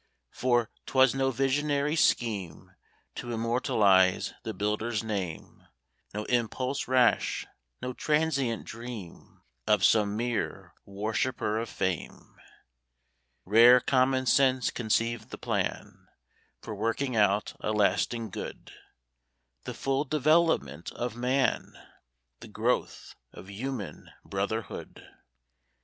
For, 'twas no visionary scheme To immortalize the builder's name; No impulse rash, no transient dream Of some mere worshipper of Fame. Rare common sense conceived the plan, For working out a lasting good The full development of Man; The growth of human brotherhood!